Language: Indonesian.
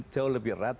jauh lebih erat